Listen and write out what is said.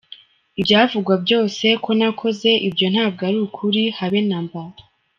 Ibyavugwa byose ko nakoze ibyo ntabwo ari ukuri habe na mba.